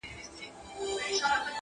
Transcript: o ړانده ته شپه او ورځ يوه ده!